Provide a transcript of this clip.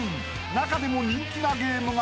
［中でも人気なゲームが］